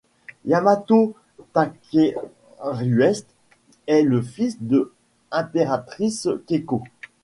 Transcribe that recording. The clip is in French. Yamato Takeruest est le fils de impératrice Keiko.